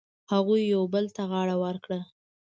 هغوی یو بل ته غاړه ورکړه.